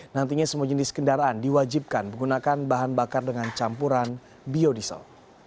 nantinya semua jenis kendaraan diwajibkan menggunakan bahan bakar dengan campuran biodiesel